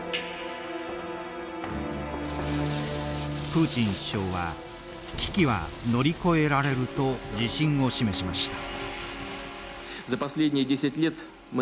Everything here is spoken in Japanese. プーチン首相は「危機は乗り越えられる」と自信を示しました。